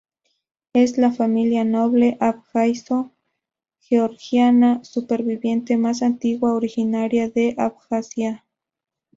Es la familia noble abjasio-georgiana superviviente más antigua originaria de Abjasia.